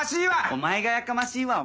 お前がやかましいわお前。